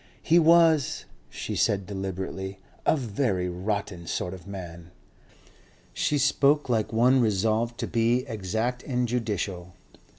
"He was," she said deliberately, "a very rotten sort of man." She spoke like one resolved to be exact and judicial.